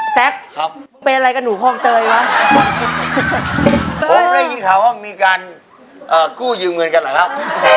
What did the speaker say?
แซคเป็นอะไรกับหนูคลองเตยวะผมได้ยินข่าวว่ามีการกู้ยืมเงินกันเหรอครับ